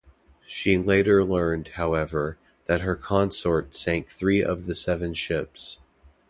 She later learned, however, that her consort sank three of the seven ships.